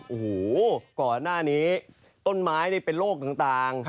หัวหน้านี้ต้นไม้เป็นโรคต่าง